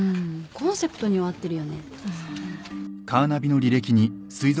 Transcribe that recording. コンセプトには合ってるよね。